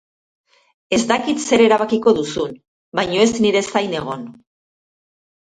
Ez dakit zer erabakiko duzun, baina ez nire zain egon.